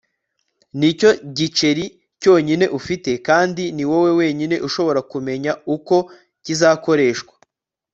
nicyo giceri cyonyine ufite, kandi ni wowe wenyine ushobora kumenya uko kizakoreshwa